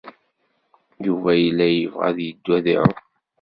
Yuba yella yebɣa ad yeddu ad iɛum.